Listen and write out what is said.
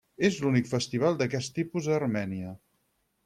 És l'únic festival d'aquest tipus a Armènia.